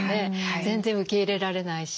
全然受け入れられないし。